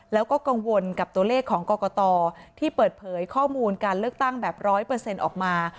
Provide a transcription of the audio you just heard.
แล้วก็กังวลกับตัวเลขของกรกตที่เปิดเผยข้อมูลการเลือกตั้งแบบ๑๐๐ออกมา